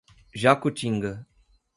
Jacutinga